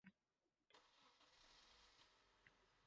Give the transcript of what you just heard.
ayblarimni tan olish